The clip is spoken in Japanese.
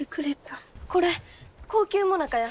これ高級もなかや。